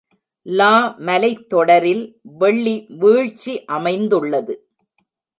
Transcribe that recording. லா மலைத் தொடரில் வெள்ளி வீழ்ச்சி அமைந்துள்ளது.